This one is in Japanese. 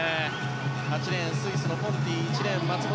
８レーンスイスのポンティ１レーン、松元